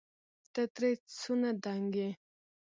ته ترې څونه دنګ يې